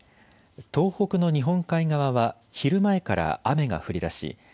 東北の日本海側は昼前から雨が降りだし